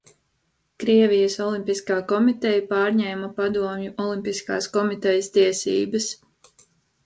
Krievijas Olimpiskā komiteja pārņēma Padomju Olimpiskās komitejas tiesības.